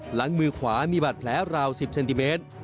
หลังมือขวามีบาดแผลราว๑๐เซนติเมตร